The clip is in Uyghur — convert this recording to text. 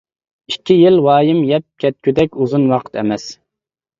ئىككى يىل ۋايىم يەپ كەتكۈدەك ئۇزۇن ۋاقىت ئەمەس.